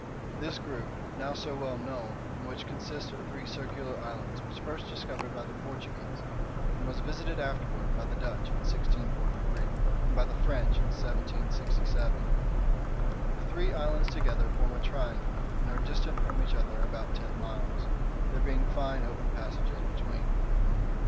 This group, now so well known, and which consists of three circular islands, was first discovered by the Portuguese, and was visited afterward by the Dutch in 1643, and by the French in 1767. The three islands together form a triangle, and are distant from each other about ten miles, there being fine open passages between.